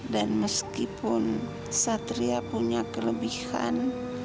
dan meskipun satria punya kelebihan